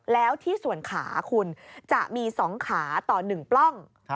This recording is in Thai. แล้วที่ส่วนขาคุณจะมี๒ขาต่อ๑ปล้อง